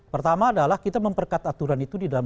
pertama adalah kita memperkat aturan itu di dalam